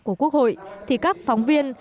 của quốc hội thì các phóng viên